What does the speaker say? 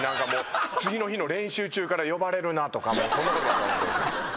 次の日の練習中から呼ばれるなとかそんなことばっかり。